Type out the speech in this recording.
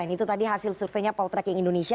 itu tadi hasil surveinya poll tracking indonesia